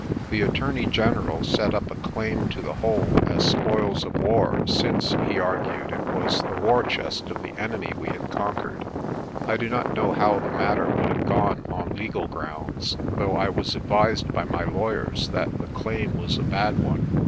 The Attorney General set up 266 UNCLE'S GIFT MULTIPLIED 267 i a claim to the whole as spoils of war since, he argued, it was the war chest of the enemy we had conquered. I do not know how the matter would have gone on legal grounds, though I was advised by my lawyers that the claim was a bad one.